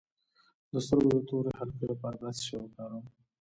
د سترګو د تورې حلقې لپاره باید څه شی وکاروم؟